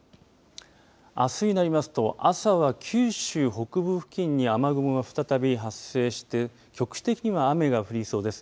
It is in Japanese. あすになりますと朝は九州北部付近に雨雲が再び発生して局地的には雨が降りそうです。